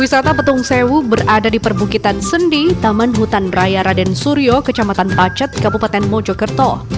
wisata petung sewu berada di perbukitan sendi taman hutan raya raden suryo kecamatan pacet kabupaten mojokerto